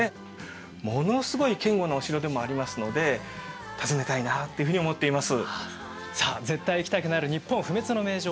ものすごい堅固なお城でもありますので訪ねたいなっていうふうに思っています。